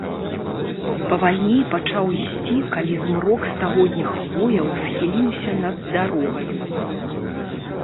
Павальней пачаў ісці, калі змрок стагодніх хвояў схіліўся над дарогаю.